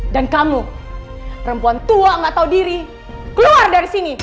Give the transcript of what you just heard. dan kamu perempuan tua gak tau diri keluar dari sini